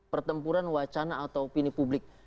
pertempuran wacana atau opini publik